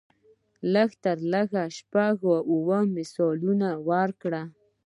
لږ تر لږه شپږ اووه مثالونه ورکړو.